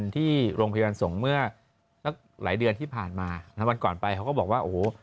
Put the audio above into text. ตรงนี้แหละเขาทำมา